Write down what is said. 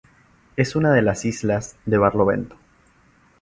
Es una de las Islas de Barlovento.